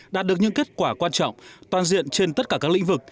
đạt được những kết quả quan trọng toàn diện trên tất cả các lĩnh vực